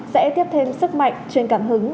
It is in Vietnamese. sẽ tiếp thêm sức mạnh truyền cảm hứng